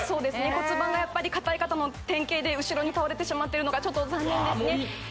骨盤がやっぱり硬い方の典型で後ろに倒れてしまってるのがちょっと残念ですね